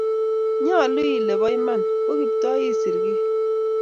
nyoluu ile bo iman koKiptoo iser kiy